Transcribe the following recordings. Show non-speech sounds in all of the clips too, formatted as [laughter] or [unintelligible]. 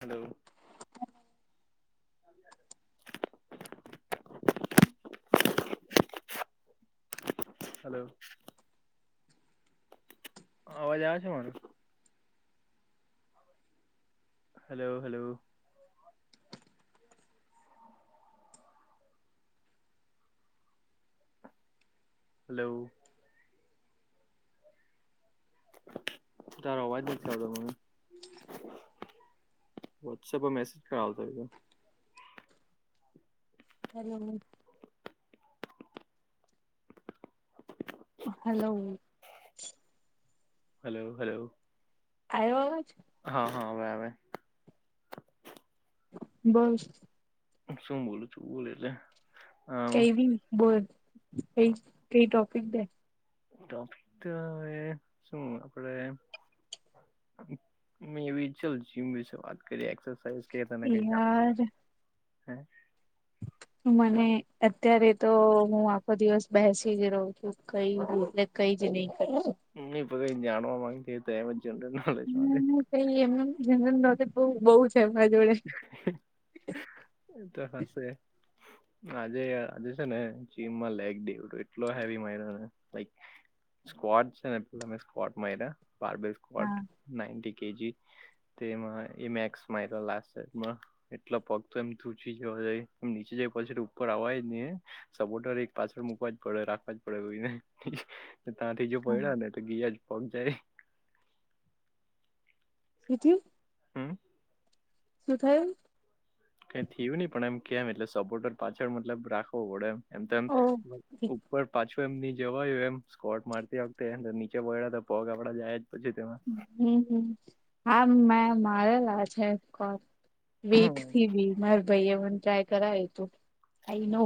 Hello! Hello! અવાજ આવે છે મારો? Hello hello! હલો! તાર અવાજ જ નથી આવ તો મને. વોટ્સઅપ પર મેસેજ કરાવતા હોય છે સરી હલો! Hello hello! આવ્યો અવાજ જ? હા હા હવે હવે આવે છે. બસ. શું બોલું છું. બોલ એટલે? કઈવી બોલ કઈ કઈ ટોપિક દે? ટોપિક તો હવે શું આપડે મેં ઇચ્છુ જીમ વિશે વાત કરીએ એક્સરસાઝ કે તને કઈ જાણ યાર હ? હ મને અત્યારે તો હું આખો દિવસ બેસી જ રહ્યો છું કઈ એટ કઈ જ નહી કર હમ કઈ જાણવા માંગતી હોય તો એમજ હમ કઈ એમ જનન નોલેજ બ બહુ છે એમરા જોડે એ તો હશે આજે આજે છે ને જીમમાં લેગડી એટલો હેવી મારીને લાઈક સ્કવોટ છે ને પેલા સ્કવોટ માર્યા [inaudible] હા બટ નાઇટી કેજી તેમાં એ મેક્સ માર્યો લાસ સામાં એટલા પગ તો એમ તૂચી જવા જાય એ નીચે જાય પછી ઉપર આવાય નઈ હે સપોર્ટર એક પાછળ મુૂકવા જ પડે રાખવા જ પડે કોઈને ત્યાંથી જો હા પડ્યો ને તો ગીયા જ પગ જાય. સુ થયું? હમ. શું થયું? કઈ થયું નહી, પણ એમ કેમ એટલે સપોર્ટર પાછળ મતલબ રાખવો પડે એમ. એમ તો એમ ઓ ઉપર પાછું એમની જવાય એમ સ્કોટ મારતી વખતે નીચે પડ્યા પગ આપડા જાય જ પછી તેમાં હ હા મે મારેલા છેે સ્કોવટ. વેટથી બી માર ભાઈ એને ટ્રાય કરાવે તું આ નો.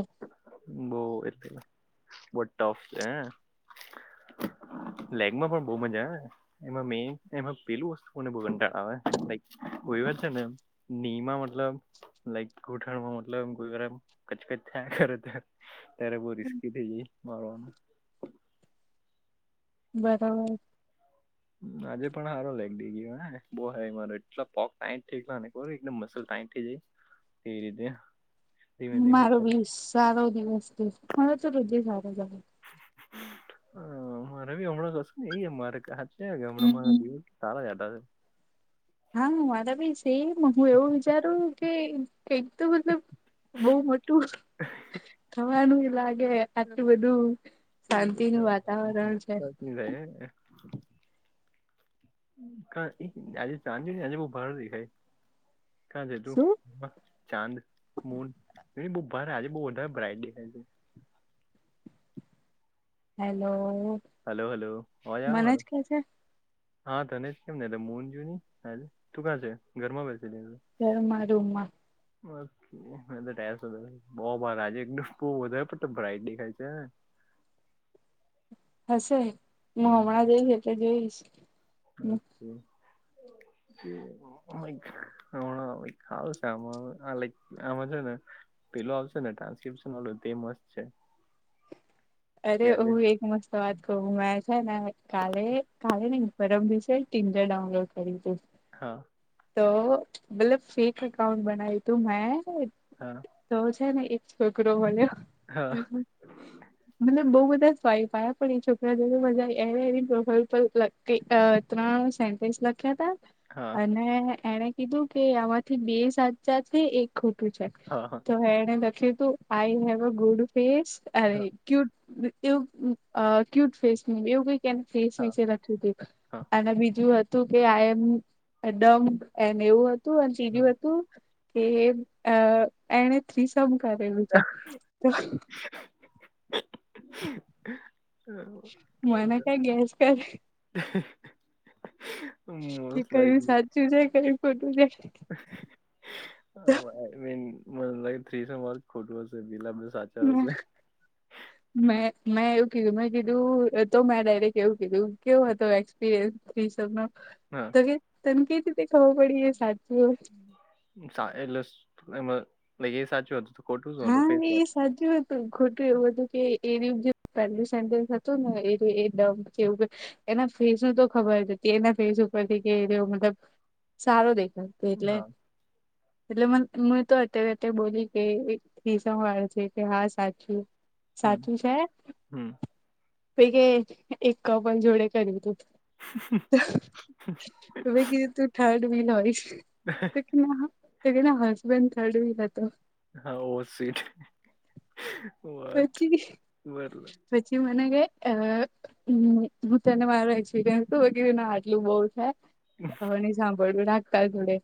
બહ એ બહું ટફ છે. લેગમાં પણ બહુ મજા આવેને,? એમાં મેન એમાં પેલું વસ્તુ કોને બહુ ગંટાળાવે કોઈવાર છે, ને? નિમાં મતલબ લાઈક ગોઠણમાં મતલબ કોઈપણ કચકચ. ત્યાં ખરે ત્યારે બહુ રિસ્કી થઈ જાય મારવાનું. બરાબર. આજે પણ સારો લાગદે ગયો હા બહુ હ મારો એટલો પોગ આયઠી કયોને. બહુ એકદમ મસલ ટાઈટ થઈ જાય તે રીતે. મારો બેસ સારો દિવસ છે મારો તો હૃદય સારોજ હું. હ મારે હમણાં કશું નેએ મારે હ કે હમણાં સારા જ હા હું હાથ આપીશ. તેમ હું એવું વિચારું કે કંઈક તો મતલબ બહુ મોટું, હ [inaudible] વાનું લાગે આટલું બધું શાંતિનું વાતાવરણ છે, નીલા એકને, આજે સાંજે આજે બહુ ભાર દેખાઈ કાંજ તું, શું ચાંદ મૂન બાર આજે બહુ વધારે બ્રાનટી દેખાય છે, હેલો, હાલો હાલો ઓયા મને જ હારું. કે છે હા ધનેજ કેમને એટલે મને જૂનીલે તું ક્યાં છે, ઘરમાં બેસી છે. ઘરમાં જોમાં મા, બ [inaudible] સ બહુબાર આજે એકદમ બહુ વધારે બ્રાઈટ દેખાય છે, ને હશે હું હમણાં જઈશ એટલે જોઈશ, અચ્છા, હમણા હાલ છે, આમાં આ લાઈક આમાં છે, ને પેલો આવશેને ટ્રાન્સ્ક્રિપ્શન વાળો તે મસ્ત છે, અરે હું એક મસ્ત, તો વાત કહું મે છે, ને કાલે કાલે ને ઇન પરમદિવસે વિશે ટીમ ડાઉનલોડ કરીદે. હા. તો મતલબ ફેક અકાઉન્ટ બનાઈ તુંમે હા. તો છે, ને એક છોકરો મળ્યો. મતલબ બહુ બધા સ્વાય પાયા પણ એ છોકરા મજા એને એવી ઉપલબ્ધ. તે ત્રણ સેનટેશ લખ્યા હતા, હા, અને એણે કીધું કે આમાંથી બે સાચા છે, એક ખોટું છે. હા, હા. તોએ લખ્યું I have good face, cute એવું ક્યુટ ફેસ ન એવું કંઈ ફેસ વિશે, અને બીજું હતું કે આઈ એમ ડમ એન એવું હતું, તો હજી ગયું હતું, કે અ એણે થ્રીસમ કરેલું છે, તો [unintelligible] મને કે ગેસ કર. હ [inaudible] કે કયું સાચું છે, કયું ખોટું છે. મે નામ લે થ્રીસર ખોટું છે, બીજા બધા સાચા. હમ. મેં મેં એવું કીધું મેં કીધું તોમેં ડાયરેક્ટ એવું કીધું કેવો હતો એક્સપિરિયન્સ. થી શમે. હા. સગ તનકે ત ખબ પડી સાચું. એટલે એમાં લ એ સાચું હતું તો ખોટું શું હતું ફેસ. હા એ સાચું હતું ખોટું એવું હતું કે એ હતું ને એ ડમવું. એના ફેસ નું તો ખબર હતી એના ફેસ ઉપર થી કે મતલબ સારો દેખાય. એટલે એટલે મને હ તો અત્યારે અત્યારે બોલી કે. થી સ વાળ છે કે હા સાચું સાચું છે. પે કે એક ક પણ જોડે કર્યું હતું. તો મે હ કીધું તું થર્ડ બીન હોય. [inaudible] ના હસબેન્ડ થર્ડ વીલ હતો. હા ઓ સીટ. હો પછી પછી મને કઈ હમ્મ હું તને માર એક્સપિરયન્સ વગેરે ના આટલું બહ છે. હને સાંભળવું રાખતા થોડે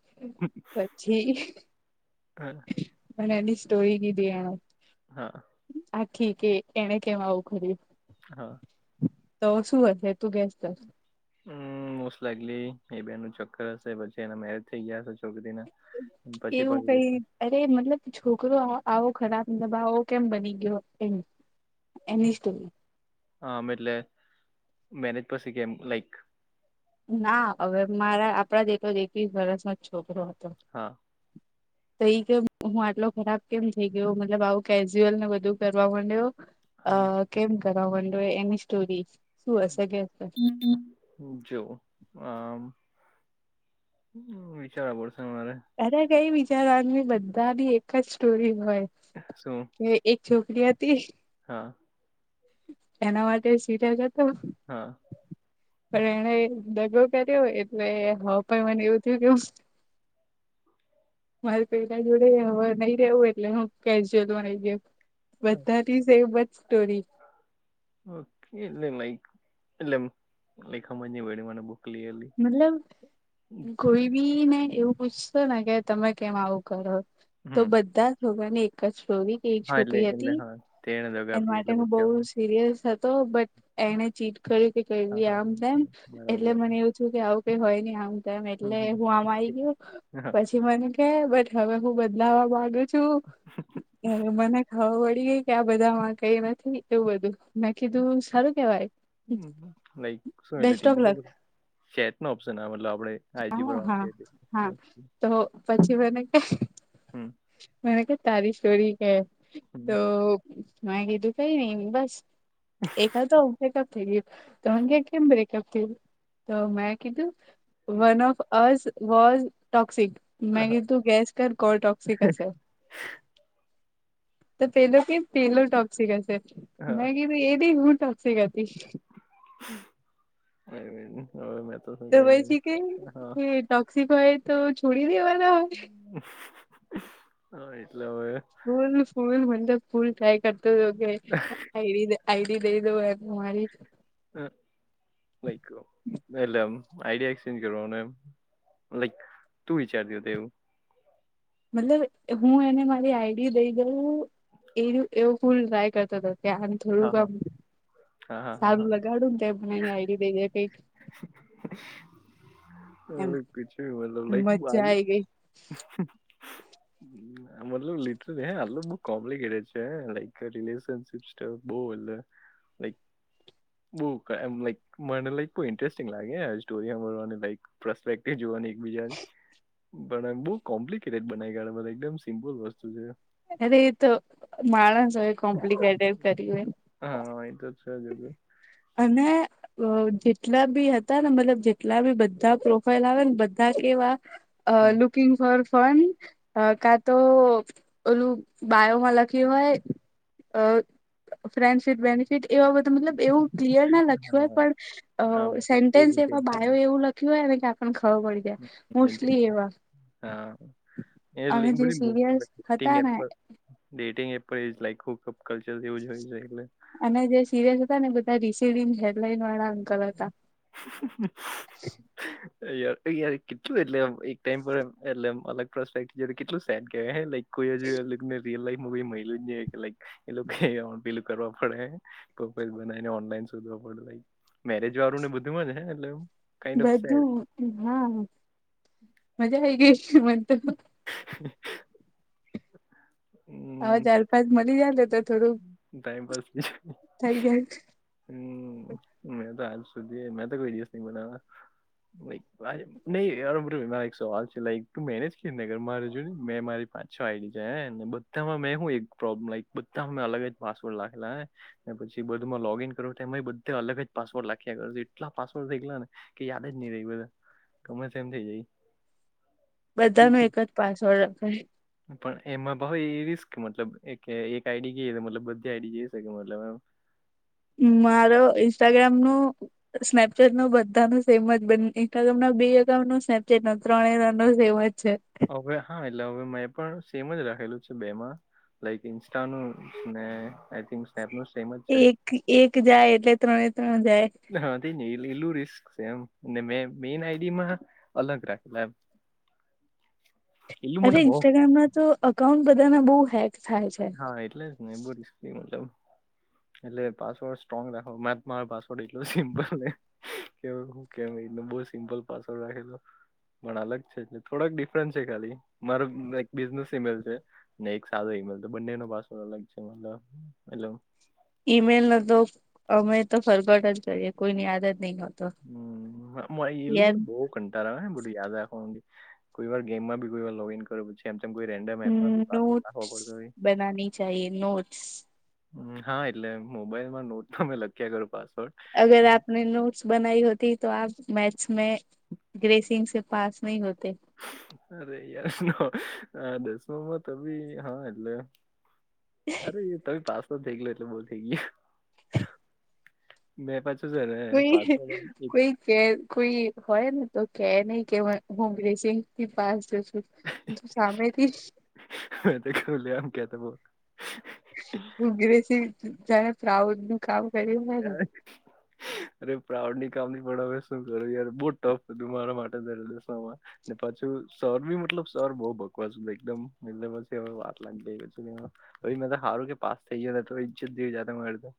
પછી. મને એની સ્ટોરી કીધી એ. હા આખી કે એને કેમ આવું કરિયું હા તો શું હશે તું ગેસ કર. હમ્મ મોસ્ટ લાઈકલી એ બેન ચક્કર હશે પછી એના મેરેજ થઇ ગયા. ચોક ના પછી એવું ભાગી કઈ જશે અરે મતલબ છોકરો આવો ખરાબ મતલબ આવો કેમ બની ગયો એમ. એની ની સ્ટોરી આમ એટલે મેનેજ પસેી કેમ લાઈક. ના હવે મારા આપણા દેકો એકવીસ વરસમાં જ છોકરો હતો. હા ત કે હું આટલો ખરાબ કેમ થઈ ગયો મતલબ આવું કેઝ્યુઅલ ને બધું કરવા માંડ્યો. અ કેમ કરવાડો એની સ્ટોરી શું હશે કે. જો આમ વિચારવા પડશે મારે. અરે કઈ વીચારવાની બધા બી એક જ સ્ટોરી હોય. શું એક છોકરી હતી. હા એના માટે સિરિયસ હતો. હા પણ એણે દગો કર્યોય એટલે હ પણ મને એવું થયું કે હૂ મારે પેલા જોડે હવે નહી રહેવું એટલે હું કેજ્યુઅલ મા આય ગયો. બધા ની સેમ જ સ્ટોરી. ઓકે એટલે લાઈક એટલે લાઈક સમજ ની પડી મને બહ મતલબ કોઈ બી ને એવું પૂછશ તો ને કે તમે કેમ આવું કરો તો બધા. છોગા ને એક જ છરી. એક છોકરી હતી એના માટે હું બહુ સિરિયસ હતો બટ. એણે ચીટ કર્યું કે કઈ આમ તેમમ એટલે મને એવું થું કે આવું કઈ હોય નને આમ. તેમ એટલે હું આમ આવી ગયું પછી પછી મને કે બટ હવે હું બદલાવા માંગુ છું મને ખબર પડી ગઈકે, આ બધામાં કઈ નથી એવું બધું, મેં કીધું સારું કેવાય. હમ્મ હમ્મ, લાઈક સો એટલે બેસ્ટ ઓફ લક [unintelligible] સેટ નો ઓપ્શન આવે આપડે હા જી પર વાત કઈરી [unintelligible] તોહો, પછી મને કે હમ્મ મને કે તારી સ્ટોરી કે, તો મેં કીધું કઈ નહિ બસ એક હતો બ્રેકઅપ થઈ ગયું, તો મને કે કેમ બ્રે કપ કર્યું? તો મે કીધું, one of us was toxic. મેં કીધું ગેસ કર ટોક્સિક હસે? તો પેલો કે પેલો ટોક્સીિક હશે, મે કીધું એ નહીં હું ટોક્સિક હતી. [unintelligible] અરે હવે મે તો પછી કે, એ ટોક્સિક હોય તો છોડી દેવાના હોય. [inaudible] હા એટલે હવે ફૂલ ફૂલ મન તો ફૂલ ટ્રાય કરતો તો મન તો કે આઈડી ડે આઈ ડી દઈ દઉ એમ તમારી અ લાઈક અ એટલે એમ એઈડિયા એક્સચેન્જ કરવાનો એમ. લાઈક તું વિચારતી હતી એવું? મતલબ હું એને મારી આઈડી દઈ દઉ, એર્યૂ એવુ ફૂલ ટ્રાય કરતો હતો. કે આને થોડુંક ઓમ સારું લગાડુંન તે મને આઈડી દઈ દે કઈક એમ હલે કૂચ બી મતલબ મજા લાઈક આઈ ગઈ [unintelligible] [inaudible] હમ્મ, મતલબ લિટરલી હ, આતો બઉ કોમ્લિકેટે છે હ, લાઈક રિલેશનશીપ બઉ એટલે લાઇક બહુ એમ લાઇક મને લાઇક બહુ ઇન્ટરેસ્ટિંગ લાગે સ્ટોરીવા લાઇક પ્રસ્પેક્ટિવ જોવાની બીજાની, પણ આમ બહુ કોમ્પ્લિકેટેડ બનાવી કાઢે બધા એકદમ સિમ્પલ વસ્તુ છે. અરે એ તો માણસ હવે કોમ્પ્લિકેટેડ કર્યું એ હા એ તો છેજ એવુ. અને અ જેટલાબી હતા ને, મતલબ જેટલા બી બધા પ્રોફાઈલ આવે ને બધા કેવા uh looking for fun uh કાતો, ઓલું બાયોમાં લખ્યું હોય, અ ફ્રેન્ડશિપ બેની ફીટ, એવા બધ મતલબ એવું ક્લિયર ના લખ્યું હોય, પણ અ સેન્ટેન્સ એવા બાયો એવું લખ્યું હોય ને, કે આપડન ખબર પડી જાય મોસ્ટલી [unintelligible] એવા અ એવી અને જે બધી સિરિયસ હતા [unintelligible] અપ ને પર ડેટિંગ એપ પર ઇસ લાઈક હુ કલ્ચર જેવુંજ હોય છે એટલે. અને જે સિરિયસ હતાને, એ બધા રીસીડી હેડલાઈન વાળા અંકલ હતા. [inaudible] અરે યાર અ યાર કેટલું એટલે એમ, એક ટાઈમ પર એમ, એટલે એમ અલગ પ્રોસ્પેક્ટ કેટલું સેડ કેવાય હે લાઇક કોઈજને રિયલ લાઈફ મુવીલ જ ન કે, લકી એ લોકો પેલું કરવા પડે. પ્રોફાઈલ બનાવીને ઓનલાઈન શોધવા પડે લાઈક, મેરેજ વાળું ને બધું માજ હે એટલે એમ બધું હા, મજા આઈ ગઈસ મનતો. હમ્મ હ ચાર, પાંચ મળી જાયન તો થોડુંક ટાઈમ પાાસ થઈ [unintelligible] જાય હમ્મ, મેં તો આજ સુધી મે તો કોઈ દિવસ નહી બનાવા. નહી વારે નહિ બધુ એક સવાલ છે લાઇક, તું મેરેજ કેમ નહીં કરે? મારે જોની મેં મારી પા છ આઇ ડી છે હે, બધામાં મે હું એકોબ લાઈક બધા મેં અલગ જ પાસવડ લખેલા હે પછી બધુંમાં લોગ ઈન કરું તો એમાં બધા અલગ જ પાસવર્ડ લખ્યા કર એટલા પાસવર્ડ થઈ ગયલા ને. કે યાદ જ નહી રહી બધા ગમત એમ થઇ જાય. બધાનો એક જ પાસવર્ડ રખાય. પણ એમાં ભ એ રિસ્ક મતલબ કે એક આઈડી ગઈએ તો મતલબ બધી આઈડી જઈ શકે મતલબ એમ. મારો ઇન્સ્ટાગ્રામનું. સ્નેપચેટ નો બધાનો સેમજ જ બન્ને એક હમણાં બે એકાઉન્ટનું સ્નેપચેટ નથી. ત્રણેય જણનો સેમજ જ છે. હવે હા એટલે હવે મેં પણ સેમ જ રાખેલું છે બે માં. લાઈક ઇન્સ્ટાનું ને આઈ થિક સ્નેપનુ સેમ જ છે. એક એક જાય એટલે ત્રણે ત્રણ જાય. હા તેજ ને એટલે કેટલુ રિસ્ક છે એમ મે મેન આઈડીમાં અલગ રાખુ એમ. અરે ઇન્સ્ટાગ્રામમાં તો એકાઉન્ટ બધાના બહુ હેક થાય છે હા એટલે જ ને બો રિસ્કી મતલબ. એટલે પાસવર્ડ સ્ટ્રોંગ રાખો મા તમારો પાસવર્ડ એટલો સિમ્પલ ને. કે હવે હું કેવું બોહ સિમ્પલ પાસવર્ડ રાખેલો. પણ અલગ છે એટલે થોડાક ડિફરન્સ છે ખાલી મારે એક બિઝને સિમલર છે. સારુ એકમેલ તો બંને નો પાસવર્ડ અલગ છે મતલબ એટલે હું. ઈમેલ ન તો અમે તો ફોરવર્ડ જ કરીએ કોઈની આદત નહી હોતી. હમ્મ. [unintelligible] કંટાડો આવે હે બધું યાદ રાખવાનુ કોઈ વાર ગેમમાં બી કોઈ વાર લોગીન કરેલું છે. જેમ ચેમ કોઈ રેન્ડમ એપ માંથી પાસવર્ડ નાખવો પડતો હોય. ચાઇએ નોટ્સ. હા એટલે મોબાઈલમાં નોટ તમે લખ્યા કરુ પાસવર્ડ. અગર આપને નો નોટ્સ બનાઈ હોતી તો આપ મેચ મે ગ્રેસિંગ પાસ નહી હોતે. અરે યાર આ દસમમાં ત બી હા એટલે. અરે તો બી પાસ તો થઈ ગયેલો એટલે બહુ થઈ ગયો. [inaudible] મેં પાછું છે ને કોઈ પાછળથી. કોઈ કે કોઈ હોય ને તો કે નહી કે હું ગ્રેસીંગ થી પાસ છું. સામેથી જ. મે તો કે લ લેમ કેતો હ. ઉગ્રેસી જયારે પ્રાઉડનુ. કામ કર્યુ. હ. [inaudible] અરે પ્રાઉડ ની કામની પણ હવે શું કર્યું યાર બહુ ટફ હતું મારા માટે ધરેલું સમાન. ને પાછું સર બી મતલબ સર બહુ બકવાસ એકદમ એટલે પછી વાટ લાગી ગઈ. તઈ મે તો હારું કે પાસ થઈ ગીયો નઈ તો ઈજ્જત જેવી જા મારી તો.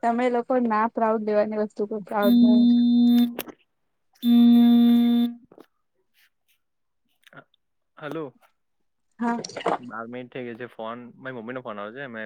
તમે લોકો ના પ્રાઉડ લેવાની વસ્તુ પર પ્રાઉડ લો. હમ્મ. હલો. હા. બાર મિનિટ થઈ ગઈ છે ફોન મારી મમ્મી નો ફોન આવે છે મે